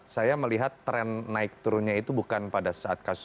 saya melihat tren naik turunnya itu bukan pada saat kasus